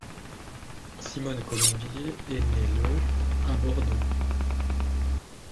Simone Colombier est née le à Bordeaux.